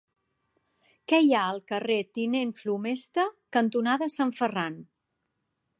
Què hi ha al carrer Tinent Flomesta cantonada Sant Ferran?